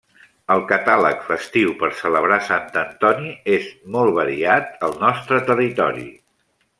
El catàleg festiu per celebrar Sant Antoni és molt variat al nostre territori.